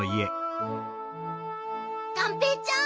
がんぺーちゃん！